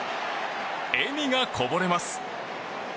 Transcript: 笑みがこぼれます。